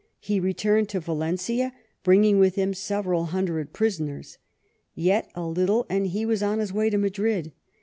He returned to Valencia, bringing with him several hundred prisoners. Yet a little, and he was on his way to Madrid.